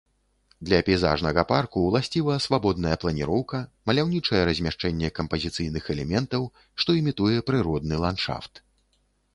Для пейзажнага парку ўласціва свабодная планіроўка, маляўнічае размяшчэнне кампазіцыйных элементаў, што імітуе прыродны ландшафт.